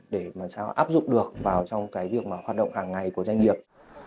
để áp dụng được vào việc hoạt động hàng ngày của doanh nghiệp